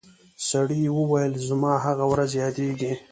سړي وویل زما هغه ورځ یادیږي